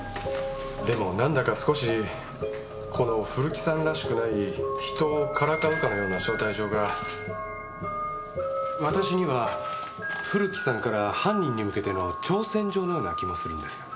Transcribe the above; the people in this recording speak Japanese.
でもなんだか少しこの古木さんらしくない人をからかうかのような招待状が私には古木さんから犯人に向けての挑戦状のような気もするんです。